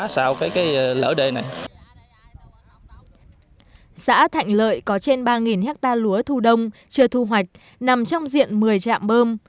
xã thạnh lợi có trên ba hectare lúa thu đông chưa thu hoạch nằm trong diện một mươi trạm bơm